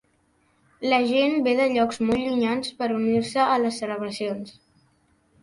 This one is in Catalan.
La gent ve de llocs molt llunyans per unir-se a les celebracions.